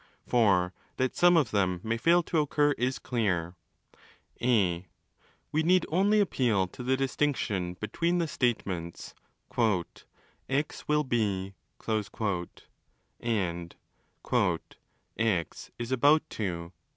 For that some of them may fail to occur, is clear. (a) We need only appeal to the distinction between the statements 'x will be' and '~ is about to...